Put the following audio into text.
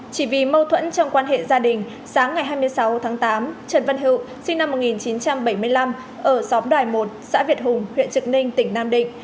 chỉ vì mâu thuẫn trong quan hệ gia đình sáng ngày hai mươi sáu tháng tám trần văn hữu sinh năm một nghìn chín trăm bảy mươi năm ở xóm đoài một xã việt hùng huyện trực ninh tỉnh nam định